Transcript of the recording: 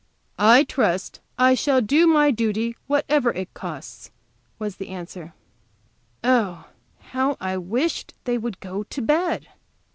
"I trust I shall do my duty, whatever it costs," was the answer. Oh, how I wished they would go to bed!